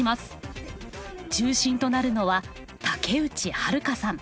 中心となるのは竹内春華さん。